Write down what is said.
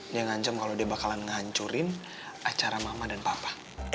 dia ngancam kalau dia bakalan ngancurin acara mama dan papa